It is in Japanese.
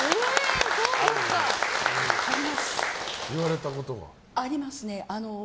言われたことは？ありますね。